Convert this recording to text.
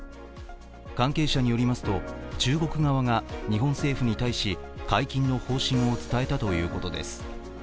関係者によりますと中国側が、日本政府に対し解禁の方針を伝えたということです。